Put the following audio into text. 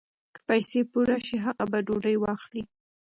که پیسې پوره شي هغه به ډوډۍ واخلي.